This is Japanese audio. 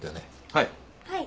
はい。